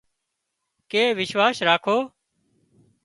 ڪي وشواس راکو